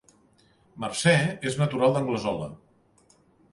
Mercè és natural d'Anglesola